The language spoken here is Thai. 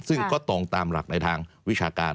ซึ่งก็ตรงตามหลักในทางวิชาการ